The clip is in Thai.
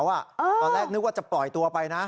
ตอนแรกนึกว่าจะปล่อยตัวไปนะ